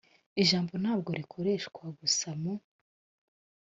ijambo ntabwo rikoreshwa gusa mu